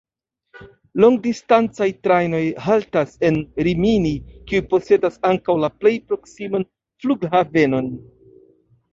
Longdistancaj trajnoj haltas en Rimini, kiu posedas ankaŭ la plej proksiman flughavenon.